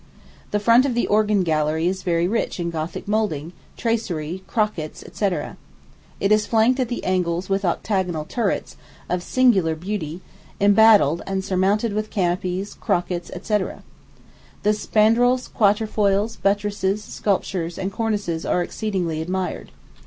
The front of the organ gallery is very rich in Gothic moulding, tracery, crockets, &c. It is flanked at the angles with octagonal turrets, of singular beauty, embattled, and surmounted with canopies, crockets, &c. The spandrils, quatrefoils, buttresses, sculptures, and cornices are exceedingly admired.